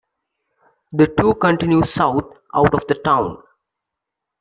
The two continue south out of the town.